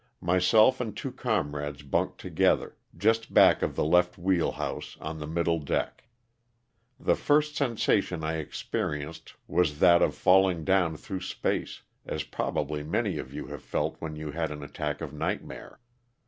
'' Myself and two comrades bunked together, just back of the left wheel house, on the middle deck. The first sensation I experienced was that of falling down through space, as probably many of you have felt when you had an attack of nightmare.